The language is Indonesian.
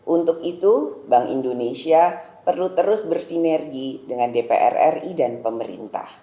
untuk itu bank indonesia perlu terus bersinergi dengan dpr ri dan pemerintah